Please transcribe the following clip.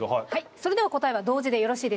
それでは答えは同時でよろしいでしょうか？